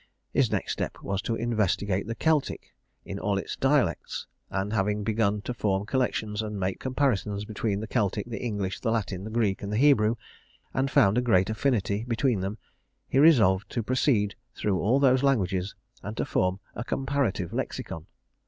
His next step was to investigate the Celtic in all its dialects; and, having begun to form collections, and make comparisons between the Celtic, the English, the Latin, the Greek, and the Hebrew, and found a great affinity between them, he resolved to proceed through all those languages, and to form a comparative lexicon.